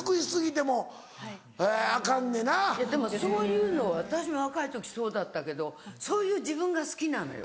でもそういうの私も若い時そうだったけどそういう自分が好きなのよ。